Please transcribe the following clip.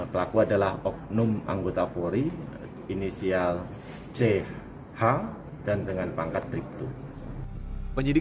pelaku adalah oknum anggota kuri inisial ch dan dengan pangkat briptu